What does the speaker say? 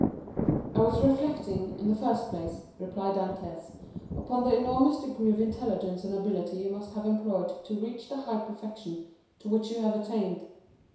"I was reflecting, in the first place," replied Dantès, "upon the enormous degree of intelligence and ability you must have employed to reach the high perfection to which you have attained.